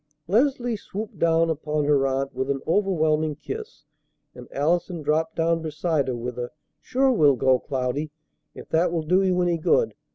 Leslie swooped down upon her aunt with an overwhelming kiss, and Allison dropped down beside her with a "Sure, we'll go, Cloudy, if that will do you any good.